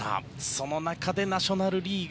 その中でナショナル・リーグ